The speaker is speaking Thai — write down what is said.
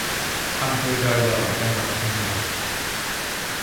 อำเภอดอยหล่อ จังหวัดเชียงใหม่